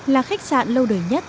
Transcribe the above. là khách sạn lâu đời nhất